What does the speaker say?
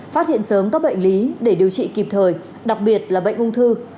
phát hiện sớm các bệnh lý để điều trị kịp thời đặc biệt là bệnh ung thư